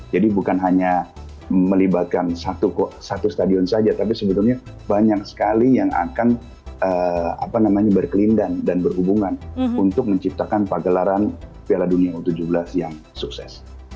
jadi bukan hanya melibatkan satu stadion saja tapi sebetulnya banyak sekali yang akan berkelindan dan berhubungan untuk menciptakan paket pelaran piala dunia u tujuh belas yang sukses